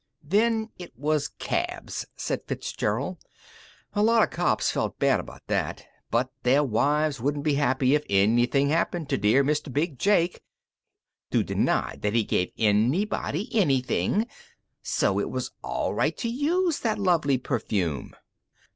"Then it was cabs," said Fitzgerald. "A lot of cops felt bad about that. But their wives wouldn't be happy if anything happened to dear Mr. Big Jake who denied that he gave anybody anything, so it was all right to use that lovely perfume....